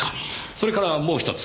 それからもう一つ。